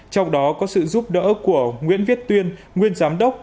trong đó có sự giúp đỡ của nguyễn viết tuyên nguyên giám đốc